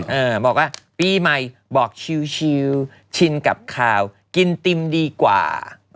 บอกว่าปีใหม่บอกชิลชินกับข่าวกินติมดีกว่า